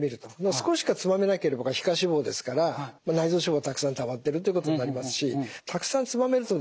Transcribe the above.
少ししかつまめなければ皮下脂肪ですから内臓脂肪がたくさんたまっているということになりますしたくさんつまめるとですね